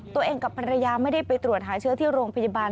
ตัวเองกับภรรยาไม่ได้ไปตรวจหาเชื้อที่โรงพยาบาล